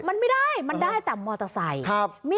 มันไม่ได้มันได้แต่มอเตอร์ไซค์